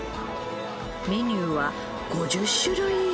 メニューは５０種類以上！